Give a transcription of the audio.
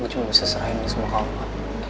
gue cuma bisa serahin semua komponen